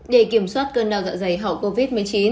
để kiểm soát cơn đau dạ dày hậu covid một mươi chín